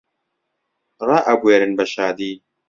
ڕائەبوێرن بە شادی